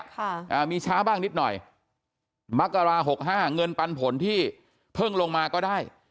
อ่ามีช้าบ้างนิดหน่อยมกราหกห้าเงินปันผลที่เพิ่งลงมาก็ได้